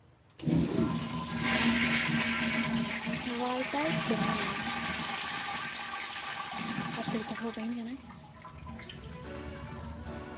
本当は会いたいって思うなら会っといた方がいいんじゃない？